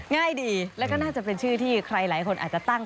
ง่ายดีแล้วก็น่าจะเป็นชื่อที่ใครหลายคนอาจจะตั้ง